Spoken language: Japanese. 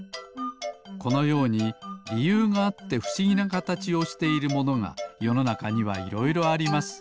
このようにりゆうがあってふしぎなかたちをしているものがよのなかにはいろいろあります。